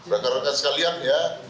rakan rakan sekalian ya